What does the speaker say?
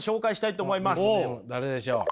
誰でしょう？